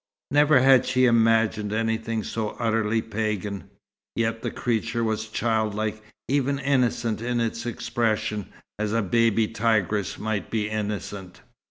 Never had she imagined anything so utterly pagan; yet the creature was childlike, even innocent in its expression, as a baby tigress might be innocent.